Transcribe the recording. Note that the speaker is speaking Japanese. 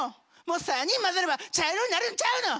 もう３人混ざれば茶色になるんちゃうの！